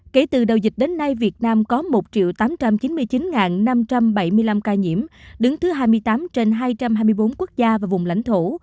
kể từ đầu dịch đến nay việt nam có một tám trăm chín mươi chín năm trăm bảy mươi năm ca nhiễm đứng thứ hai mươi tám trên hai trăm hai mươi bốn quốc gia và vùng lãnh thổ